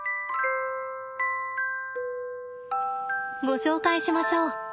ご紹介しましょう。